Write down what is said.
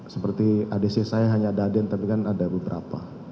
seperti adc saya hanya daden tapi kan ada beberapa